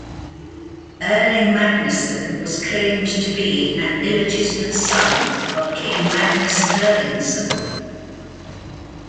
Erling Magnusson was claimed to be an illegitimate son of King Magnus Erlingsson.